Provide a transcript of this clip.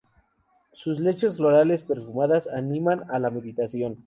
Sus lechos florales perfumadas animan a la meditación.